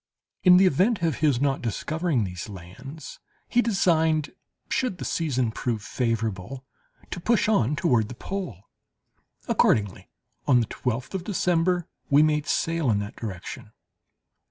In the event of his not discovering these lands, he designed, should the season prove favourable, to push on toward the pole. Accordingly, on the twelfth of December, we made sail in that direction.